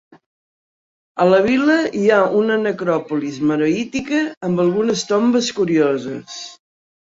A la vila hi ha una necròpolis meroítica amb algunes tombes curioses.